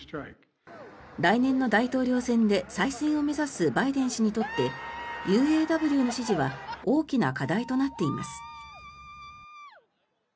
来年の大統領選で再選を目指すバイデン氏にとってＵＡＷの支持は大きな課題となっています。